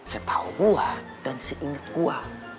setau gua dan si ingu gua